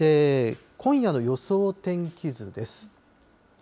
今夜の予想天気図です。